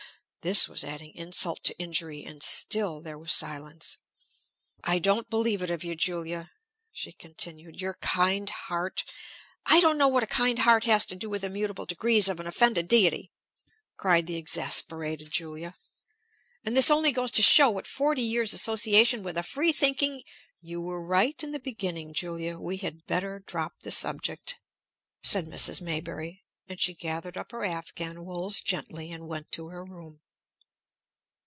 This was adding insult to injury, and still there was silence. "I don't believe it of you, Julia," she continued, "your kind heart " "I don't know what a kind heart has to do with the immutable decrees of an offended deity!" cried the exasperated Julia. "And this only goes to show what forty years' association with a free thinking " "You were right in the beginning, Julia; we had better drop the subject," said Mrs. Maybury; and she gathered up her Afghan wools gently, and went to her room.